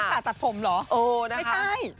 คาริสาตัดผมเหรอไม่ใช่นะครับ